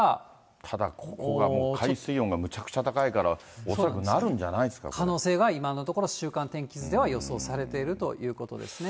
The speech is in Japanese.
ただここがもう海水温がむちゃくちゃ高いから、可能性は今のところ、週間天気図では予想されてるということですね。